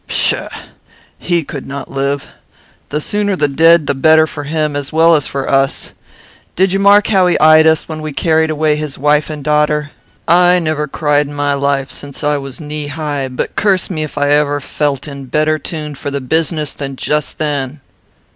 "Pshaw! He could not live. The sooner dead the better for him; as well as for us. Did you mark how he eyed us when we carried away his wife and daughter? I never cried in my life, since I was knee high, but curse me if I ever felt in better tune for the business than just then.